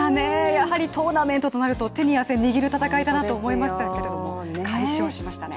やはりトーナメントとなると手に汗握る戦いだと思いましたけれども快勝しましたね。